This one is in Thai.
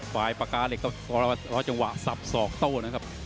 ฝ่ายปากกาเหล็กต่อจังหวะสับ๒โต้นะครับ